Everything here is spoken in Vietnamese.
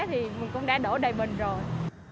thì mình cũng đã đổ đầy bình rồi